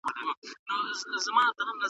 په دې کلي کي